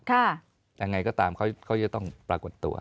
ยังไงก็ตามเขาจะต้องปรากฏตัว